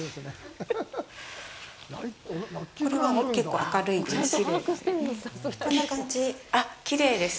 これは結構明るいです。